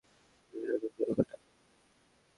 বাংলাদেশের প্রায় সব এলাকায় চোরকাঁটা দেখা যায়।